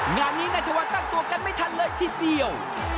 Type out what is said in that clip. งานนี้นายธวัฒน์ตั้งตัวกันไม่ทันเลยทีเดียว